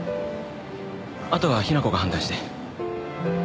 あとは雛子が判断して。